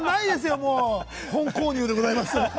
本購入でございます。